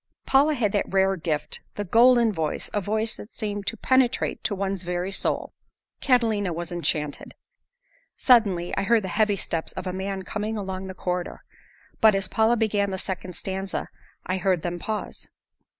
Paula had that rare gift, the "golden" voice, a voice that seemed to penetrate to one's very soul. Catalina was enchanted! Suddenly, I heard the heavy steps of a man coming along the corridor. But as Paula began the second stanza, I heard them pause.